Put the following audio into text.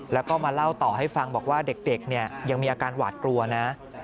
แล้วก็มาเล่าต่อให้ฟังบอกว่าเด็กเนี่ยยังมีอาการหวาดกลัวนะ